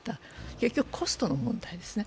結局コストの問題ですね。